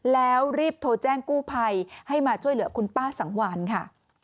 แล้วรีบโทรแจ้งกู้ภัยให้มาช่วยเหลือคุณป้าสังวานค่ะ